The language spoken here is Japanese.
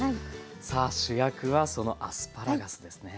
さあ主役はそのアスパラガスですね。